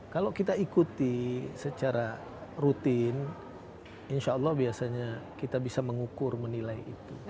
kalau kita ikuti secara rutin insya allah biasanya kita bisa mengukur menilai itu